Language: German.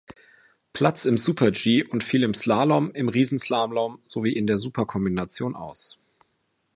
Platz im Super-G und fiel im Slalom, im Riesenslalom sowie in der Super-Kombination aus.